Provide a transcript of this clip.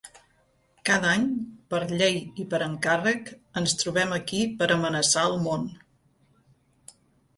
Cada any, per llei i per encàrrec, ens trobem aquí per amenaçar el món.